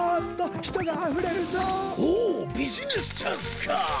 ビジネスチャンスか！